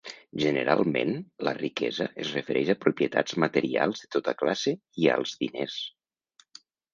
Generalment, la riquesa es refereix a propietats materials de tota classe i als diners.